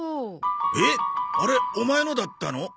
えっあれオマエのだったの？